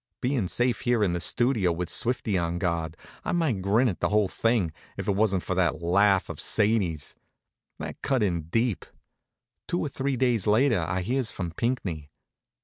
Bein' safe here in the Studio, with Swifty on guard, I might grin at the whole thing, if it wasn't for that laugh of Sadie's. That cut in deep. Two or three days later I hears from Pinckney.